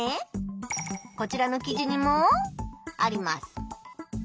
こちらの記事にもあります。